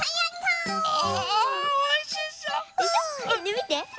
みて。